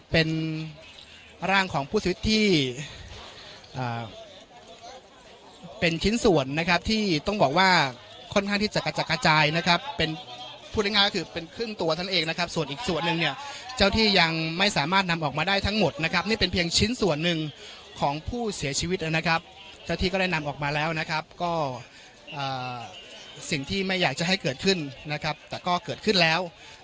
เป็นชิ้นส่วนนะครับที่ต้องบอกว่าค่อนข้างที่จะกระจากกระจายนะครับเป็นพูดง่ายง่ายก็คือเป็นครึ่งตัวท่านเองนะครับส่วนอีกส่วนหนึ่งเนี่ยเจ้าที่ยังไม่สามารถนำออกมาได้ทั้งหมดนะครับนี่เป็นเพียงชิ้นส่วนหนึ่งของผู้เสียชีวิตนะครับเจ้าที่ก็ได้นำออกมาแล้วนะครับก็อ่าสิ่งที่ไม่อยากจะให้เกิดขึ้